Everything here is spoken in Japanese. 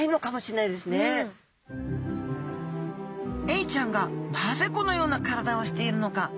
エイちゃんがなぜこのような体をしているのか？